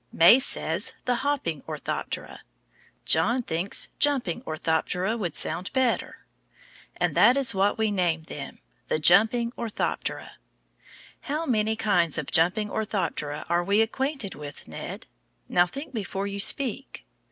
May says, the Hopping Orthoptera. John thinks Jumping Orthoptera would sound better. And that is what we name them, the Jumping Orthoptera. How many kinds of Jumping Orthoptera are we acquainted with, Ned? Now, think before you speak.